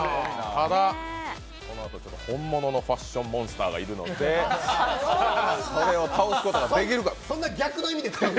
ただ、このあと、本物のファッションモンスターがいるので、そんな逆の意味で？